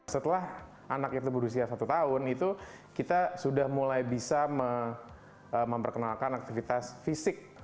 setelah anak itu berusia satu tahun itu kita sudah mulai bisa memperkenalkan aktivitas fisik